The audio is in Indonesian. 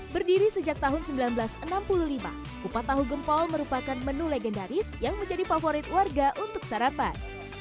berdiri sejak tahun seribu sembilan ratus enam puluh lima kupat tahu gempol merupakan menu legendaris yang menjadi favorit warga untuk sarapan